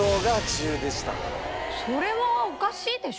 それはおかしいでしょ。